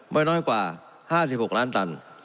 ไม่น้อยกว่า๕๖ล้านตัน